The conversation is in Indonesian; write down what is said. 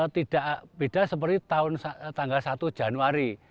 tidak beda seperti tanggal satu januari